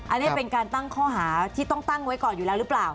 อันนี้เป็นการตั้งข้อหาที่ต้องตั้งไว้ก่อนอยู่แล้วหรือเปล่า